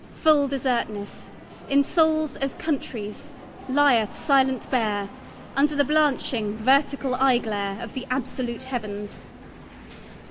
Full desertness 5 In souls as countries lieth silent bare Under the blanching, vertical eye glare Of the absolute Heavens.